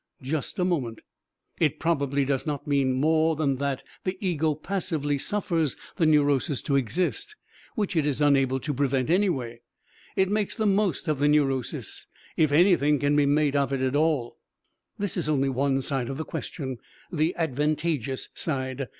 Just a moment! It probably does not mean more than that the ego passively suffers the neurosis to exist, which it is unable to prevent anyway. It makes the most of the neurosis, if anything can be made of it at all. This is only one side of the question, the advantageous side.